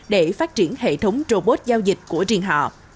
để phát triển hệ thống robot giao dịch của riêng họ